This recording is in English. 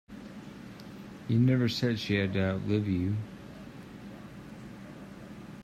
You never said she had to outlive you.